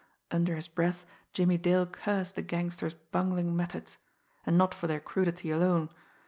Under his breath Jimmie Dale cursed the gangster's bungling methods and not for their crudity alone.